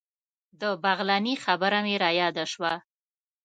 د بغلاني خبره مې رایاده شوه.